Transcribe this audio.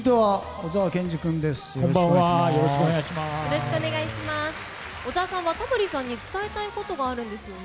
小沢さんはタモリさんに伝えたいことがあるんですよね。